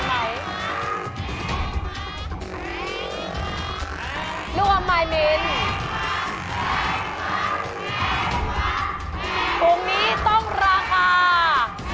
มายมิ้นท์จะชื่นใจและหอมหวานสำหรับคุณไหม